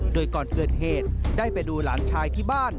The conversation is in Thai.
โดยก่อนเกิดเหตุได้ไปดูหลานชายที่บ้าน